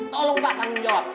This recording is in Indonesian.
tolong pak tanggung jawab